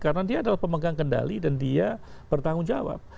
karena dia adalah pemegang kendali dan dia bertanggung jawab